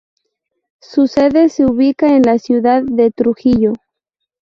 Su sede se ubica en la ciudad de Trujillo.